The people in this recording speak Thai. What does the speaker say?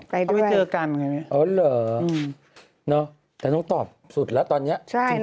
ไปด้วยอ๋อเหรอแต่น้องตอบสุดแล้วตอนนี้จริง